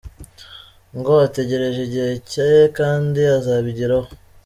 Ngo ategereje igihe cye kandi azabigeraho.